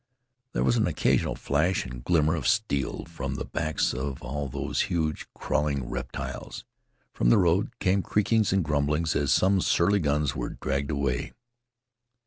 There was an occasional flash and glimmer of steel from the backs of all these huge crawling reptiles. From the road came creakings and grumblings as some surly guns were dragged away.